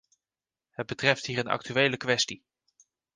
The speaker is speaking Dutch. Het betreft hier een actuele kwestie.